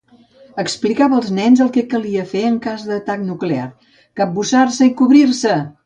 Explicava als nens el que calia fer en cas d'atac nuclear: cabussar-se i cobrir-se!